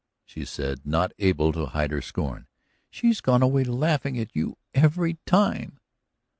she said, not able to hide her scorn. "She's gone away laughing at you every time."